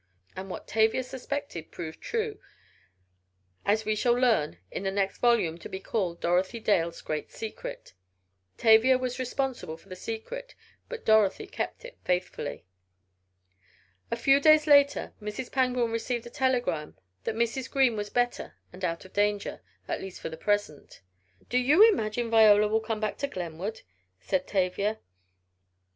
And what Tavia suspected proved true, as we shall learn in the next volume, to be called "Dorothy Dale's Great Secret." Tavia was responsible for the secret, but Dorothy kept it faithfully. A few days later Mrs. Pangborn received a telegram that Mrs. Green was better and out of danger, at least for the present. "Do you imagine Viola will come back to Glenwood?" said Tavia.